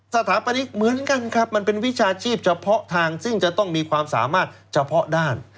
สถาปนิกเหมือนกันครับมันเป็นวิชาชีพเฉพาะทางซึ่งจะต้องมีความสามารถเฉพาะด้าน